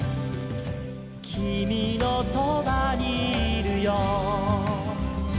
「きみのそばにいるよ」